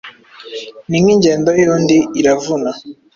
Ni nk' ingendo yundi iravuna